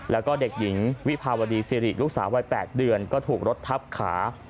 แล้วก็เด็กหญิงวิภาวดีสิริลูกสาววัย๘เดือนก็ถูกรถทับขา